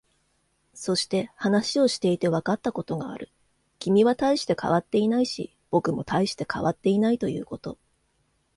そして、話をしていてわかったことがある。君は大して変わっていないし、僕も大して変わっていないということ。